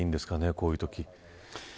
こういうとき。